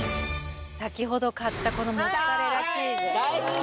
先ほど買ったこのモッツァレ大好き。